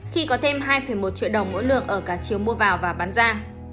khi có thêm hai một triệu đồng mỗi lượng ở cả chiều mua vào và bán ra